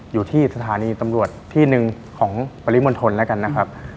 อยู่ที่สถานีตำรวจที่หนึ่งของปริมณฑลแล้วกันนะครับ